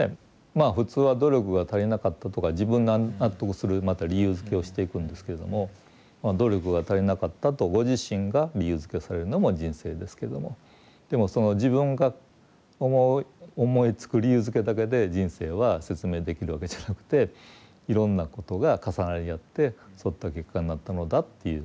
まあ普通は努力が足りなかったとか自分が納得するまた理由づけをしていくんですけれどもまあ努力が足りなかったとご自身が理由づけをされるのも人生ですけどもでもその自分が思う思いつく理由づけだけで人生は説明できるわけじゃなくていろんなことが重なり合ってそういった結果になったのだっていう。